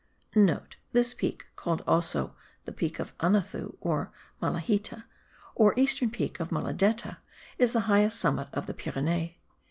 *(* This peak, called also peak of Anethou or Malahita, or eastern peak of Maladetta, is the highest summit of the Pyrenees.